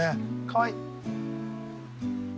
かわいい。